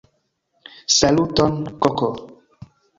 Saluton koko!